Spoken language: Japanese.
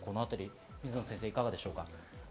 水野先生、いかがですか？